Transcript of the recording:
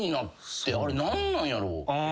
あれ何なんやろう。